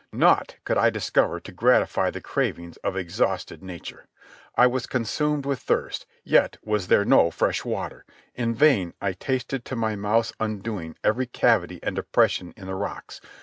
Naught could I discover to gratify the cravings of exhausted nature. I was consumed with thirst, yet was there no fresh water. In vain I tasted to my mouth's undoing every cavity and depression in the rocks.